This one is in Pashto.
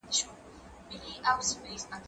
زه بايد ځواب وليکم!.!.